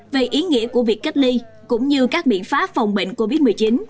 về ý nghĩa của việc cách ly cũng như các biện pháp phòng bệnh covid một mươi chín